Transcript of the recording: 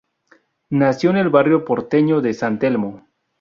Nació en el barrio porteño de San Telmo.